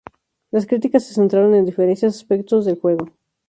Las críticas se centraron en diferentes aspectos del juego.